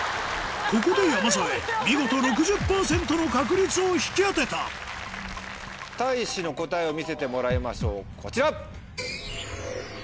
ここで山添見事６０％の確率を引き当てたたいしの答えを見せてもらいましょうこちら！